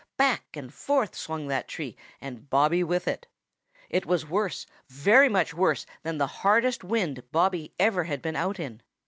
Back and forth swung that tree and Bobby with it. It was worse, very much worse, than the hardest wind Bobby ever had been out in.